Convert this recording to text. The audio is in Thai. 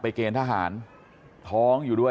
สวัสดีครับคุณผู้ชาย